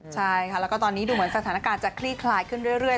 ใช่ค่ะแล้วก็ตอนนี้ดูเหมือนสถานการณ์จะคลี่คลายขึ้นเรื่อย